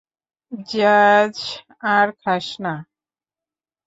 Jazz, আর খাস না।